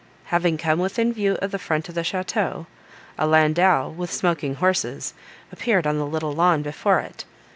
Having come within view of the front of the château, a landau, with smoking horses, appeared on the little lawn before it.